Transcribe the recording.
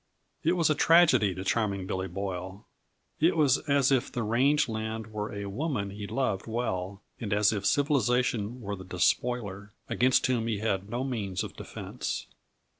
It was a tragedy to Charming Billy Boyle; it was as if the range land were a woman he loved well, and as if civilization were the despoiler, against whom he had no means of defense.